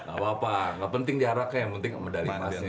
gak apa apa gak penting jaraknya yang penting medali emasnya